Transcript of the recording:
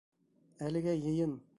Әлегә йыйын.